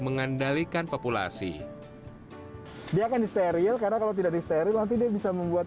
mengendalikan populasi dia akan disteril karena kalau tidak disteril nanti dia bisa membuat